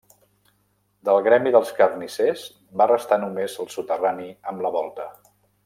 Del Gremi dels Carnissers va restar només el soterrani amb la volta.